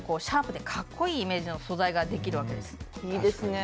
シャープでかっこいいイメージの素材ができるわけです。